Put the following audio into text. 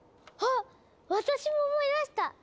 あっ私も思い出した！